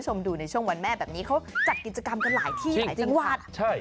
ทำอะไรก็น่ารักเนอะ